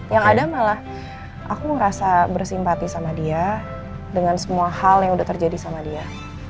yang ada malah aku merasa bersimpati sama dia dengan semua hal yang udah terjadi sama dia